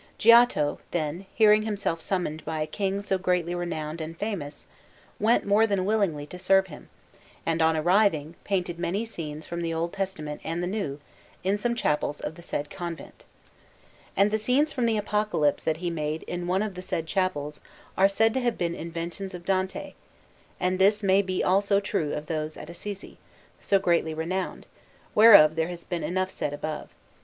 Giotto, then, hearing himself summoned by a King so greatly renowned and famous, went more than willingly to serve him, and, on arriving, painted many scenes from the Old Testament and the New in some chapels of the said convent. And the scenes from the Apocalypse that he made in one of the said chapels are said to have been inventions of Dante; and this may be also true of those at Assisi, so greatly renowned, whereof there has been enough said above.